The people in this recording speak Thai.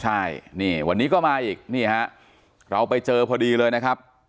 ใช่วันนี้ก็มาอีกเราไปเจอพอดีเลยนะครับ